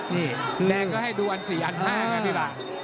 แดกก็ให้ดูอันสี่อันห้าไงพี่บ้าง